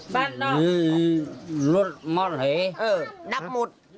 บ้านเหรอดับหมดเหรอเออดับหมด